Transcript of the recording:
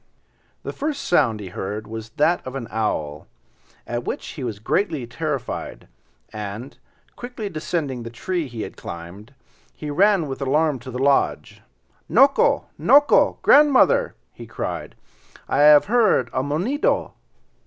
The first sound he heard was that of the owl, at which he was greatly terrified, and, quickly descending the tree he had climbed, he ran with alarm to the lodge. "Noko! noko! grandmother!" he cried. "I have heard a monedo."